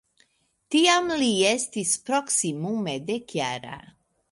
Tiam li estis proksimume dekjara.